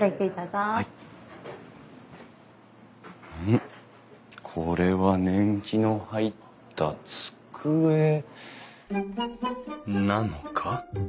んっこれは年季の入った机。なのか？